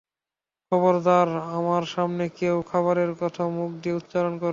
খবরদার, আমার সামনে কেউ খাবারের কথা মুখ দিয়ে উচ্চারণ করবে না।